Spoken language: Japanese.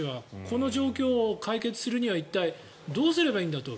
この状況を解決するには一体どうすればいいんだと。